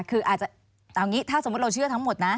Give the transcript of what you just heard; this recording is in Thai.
คืออาจจะเอาอย่างนี้ถ้าสมมุติเราเชื่อทั้งหมดนะ